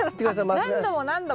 あっ何度も何度も？